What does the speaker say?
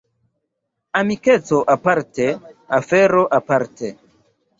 Amikeco aparte, afero aparte.